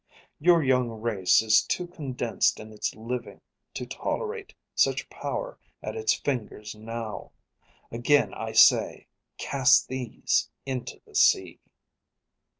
Your young race is too condensed in its living to tolerate such power at its fingers now. Again I say: cast these into the sea.